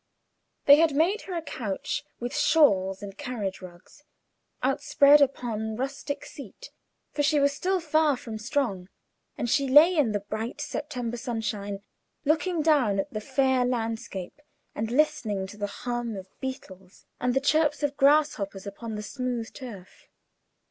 They had made her a couch with shawls and carriage rugs, outspread upon a rustic seat, for she was still far from strong, and she lay in the bright September sunshine, looking down at the fair landscape, and listening to the hum of beetles and the chirp of grasshoppers upon the smooth turf.